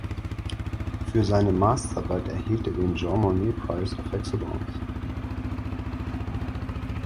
Für seine Masterarbeit erhielt er den "Jean Monnet Prize of Excellence".